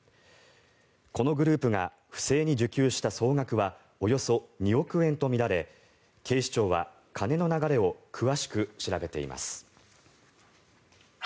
このグループが不正に受給した総額はおよそ２億円とみられ警視庁は金の流れを詳しく調べています。